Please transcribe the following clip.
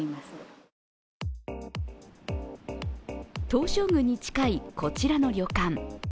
東照宮に近い、こちらの旅館。